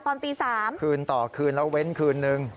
ตอนตี๓คืนต่อคืนแล้วเว้นคืนนึง